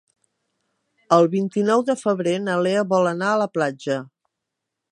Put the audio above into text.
El vint-i-nou de febrer na Lea vol anar a la platja.